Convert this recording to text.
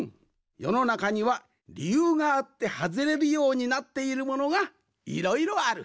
よのなかにはりゆうがあってはずれるようになっているものがいろいろある。